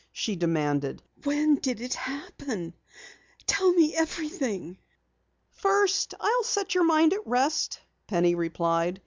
she demanded. "When did it happen? Tell me everything!" "First, I'll set your mind at rest," Penny replied.